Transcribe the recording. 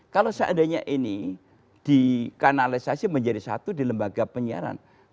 kalau seandainya ini dikanalisasi menjadi satu di lembaga penyiaran